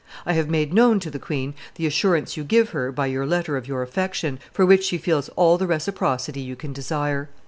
I have made known to the queen the assurance you give her by your letter of your affection, for which she feels all the reciprocity you can desire.